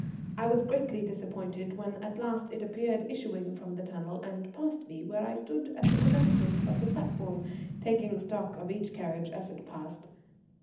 I was greatly disappointed when at last it appeared issuing from the tunnel, and passed me where I stood at the commencement of the platform, taking stock of each carriage as it passed.